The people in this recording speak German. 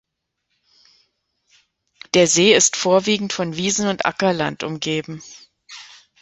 Der See ist vorwiegend von Wiesen und Ackerland umgeben.